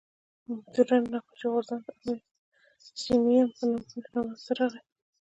مډرن نقاشي غورځنګ د امپرسیونیېم په نوم منځ ته راغی.